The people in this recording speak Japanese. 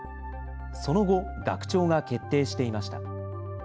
その後、学長が決定していました。